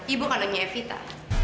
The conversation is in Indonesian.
ibu kandungnya evita